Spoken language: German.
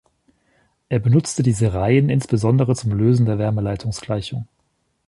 Er benutzte diese Reihen insbesondere zum Lösen der Wärmeleitungsgleichung.